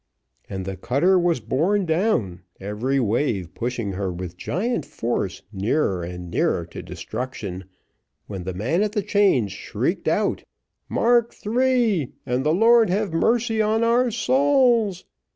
"And the cutter was borne down, every wave pushing her with giant force nearer and nearer to destruction, when the man at the chains shrieked out 'Mark three, and the Lord have mercy on our souls!"